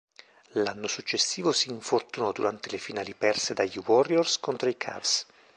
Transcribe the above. L'anno successivo si infortunò durante le finali perse dagli Warriors contro i Cavs.